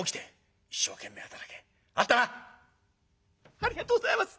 「ありがとうございます。